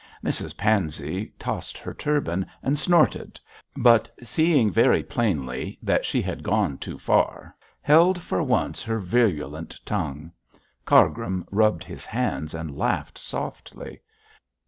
Mrs Pansey tossed her turban and snorted, but seeing very plainly that she had gone too far, held for once her virulent tongue. Cargrim rubbed his hands and laughed softly.